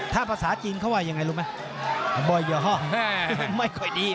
ถ้าภาษาจีนเขาว่ายังไงรู้มั้ยไม่ค่อยดี